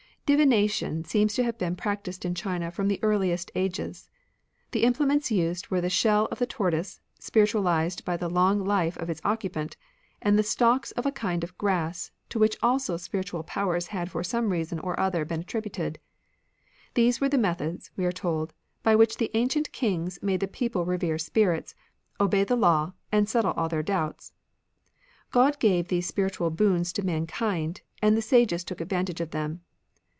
Divination seems to have been ^"""'«"" practised in China from the earUest ages. The implements used were the shell of the tortoise, spiritualised by the long life of its occupant, and the stalks of a kind of grass, to which also spiritual powers had for some reason or other been attributed. These were the methods, we are told, by which the ancient Kings made the people revere spirits, obey the law, and settle all their doubts. God gave these spiritual boons to mankind, and the sages took advantage of them.